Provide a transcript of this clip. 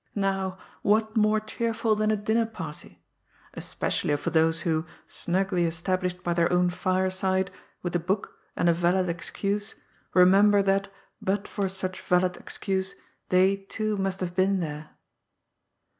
Now, what more cheerful than a dinner party? Especially for those who, snngly established by their own fireside, with a book and a valid excnse, remember that, but for such valid excnse, they too must have been there.